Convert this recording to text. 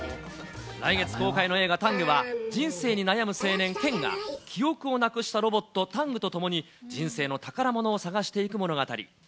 来月公開の映画、タングは、人生に悩む青年、健が、記憶をなくしたロボット、タングと共に、人生の宝物を探していく物語。